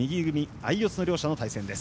相四つの両者の対戦です。